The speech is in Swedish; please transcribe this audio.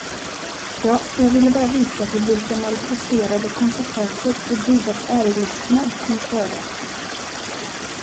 Ja, jag ville bara visa till vilka malplacerade konsekvenser fru Dufvas ärelystnad kunde föra.